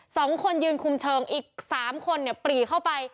สองคนยืนคุมเชิงอีกสามคนเนี่ยปรีเข้าไป